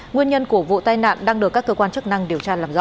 nguyên nhân của vụ tai nạn đang được các cơ quan chức năng điều tra làm rõ